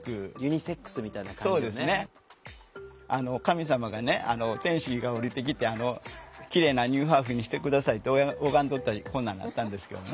神様がね天使が降りてきて「きれいなニューハーフにして下さい」って拝んどったらこんなんなったんですけど。